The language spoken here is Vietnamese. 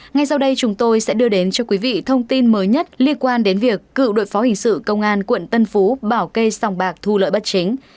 ngay sau đây chúng tôi sẽ đưa đến cho quý vị thông tin mới nhất liên quan đến việc cựu đội phó hình sự công an quận tân phú bảo kê sòng bạc thu lợi bất chính